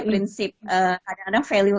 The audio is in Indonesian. prinsip kadang kadang value